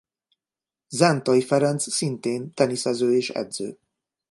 Zentai Ferenc szintén teniszező és edző